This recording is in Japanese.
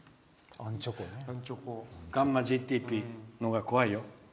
ガンマＧＰＴのほうが怖いよ。